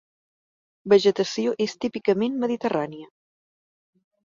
Vegetació és típicament mediterrània.